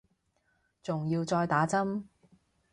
仲要再打針